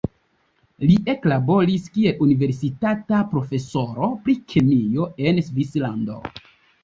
Li eklaboris kiel universitata profesoro pri kemio en Svislando.